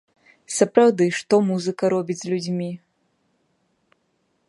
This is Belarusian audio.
Сапраўды, што музыка робіць з людзьмі!